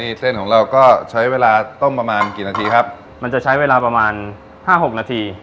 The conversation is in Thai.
นี่เส้นของเราก็ใช้เวลาต้มประมาณกี่นาทีครับมันจะใช้เวลาประมาณห้าหกนาที